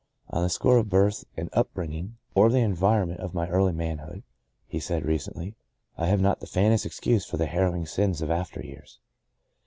" On the score of birth and up bringing, or the en vironment of my early manhood," he said recently, I have not the faintest excuse for the harrowing sins of after years."